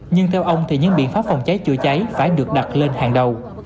nhưng theo ông thì những biện pháp phòng cháy chữa cháy phải được đặt lên hàng đầu